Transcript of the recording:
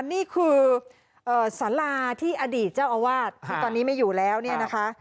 นี่คือสาราที่อดีตเจ้าอาวาสที่ตอนนี้ไม่อยู่แล้วเนี่ยนะคะ